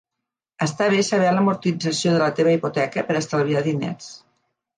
Està bé saber l'amortització de la teva hipoteca per estalviar diners.